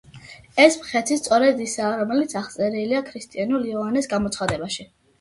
ეს „მხეცი“ სწორედ ისაა, რომელიც აღწერილია ქრისტიანულ იოანეს გამოცხადებაში.